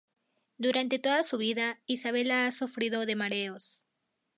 Durante toda su vida, Isabella ha sufrido de mareos.